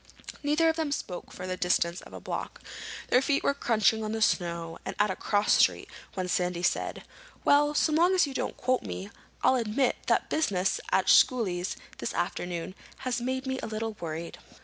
Neither of them spoke for the distance of a block. Their feet were crunching on the snow at a cross street when Sandy said, "Well, so long as you don't quote me, I'll admit that business at Schooley's this afternoon has me a little worried.